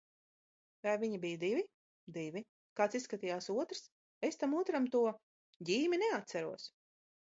-Vai viņi bija divi? -Divi. -Kāds izskatījās otrs? -Es tam otram to...ģīmi neatceros.